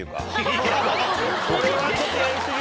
それはちょっとやり過ぎ。